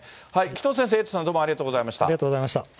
紀藤先生、エイトさん、どうもありがとうございました。